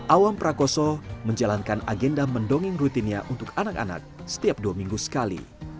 awam prakoso menjalankan agenda mendongeng rutinnya untuk anak anak setiap dua minggu sekali